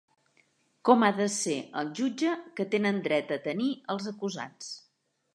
Com ha de ser el jutge que tenen dret a tenir els acusats?